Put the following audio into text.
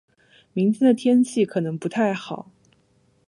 明天的天气可能不太好。